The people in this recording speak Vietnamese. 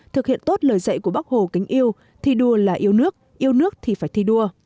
thực hiện tốt lời dạy của bác hồ kính yêu thi đua là yêu nước yêu nước thì phải thi đua